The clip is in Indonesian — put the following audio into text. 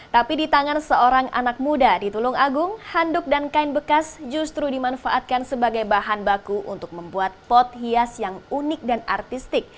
tapi di tangan seorang anak muda di tulung agung handuk dan kain bekas justru dimanfaatkan sebagai bahan baku untuk membuat pot hias yang unik dan artistik